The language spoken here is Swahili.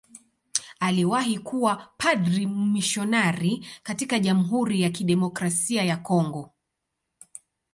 Aliwahi kuwa padri mmisionari katika Jamhuri ya Kidemokrasia ya Kongo.